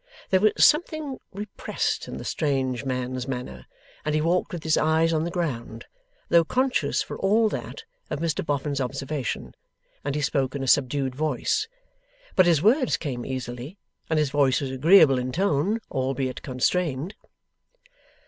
There was something repressed in the strange man's manner, and he walked with his eyes on the ground though conscious, for all that, of Mr Boffin's observation and he spoke in a subdued voice. But his words came easily, and his voice was agreeable in tone, albeit constrained.